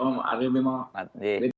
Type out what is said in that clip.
terima kasih pak